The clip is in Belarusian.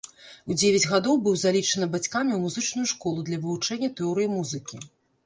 У дзевяць гадоў быў залічаны бацькамі ў музычную школу для вывучэння тэорыі музыкі.